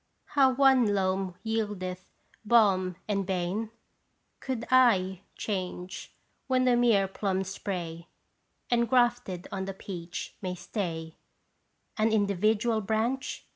How one loam yieldeth balm and bane ? Could / change when the mere plum spray Engrafted on the peach may stay An individual branch?